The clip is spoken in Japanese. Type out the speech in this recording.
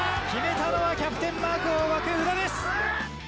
決めたのはキャプテンマークを巻く夘田です。